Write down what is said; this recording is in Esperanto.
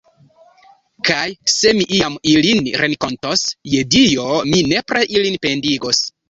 Kaj se mi iam ilin renkontos, je Dio, mi nepre ilin pendigos.